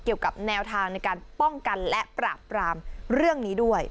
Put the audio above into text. เกี่ยวกับแนวทางในการป้องกันและปราบปรามเรื่องนี้ด้วย